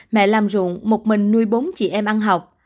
mẹ làm ruộng một mình nuôi bốn chị em ăn học